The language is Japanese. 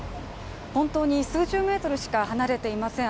本当に数十メートルしか離れていません。